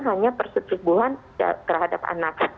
hanya persetubuhan terhadap anak